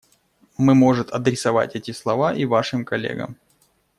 Мы может адресовать эти слова и Вашим коллегам.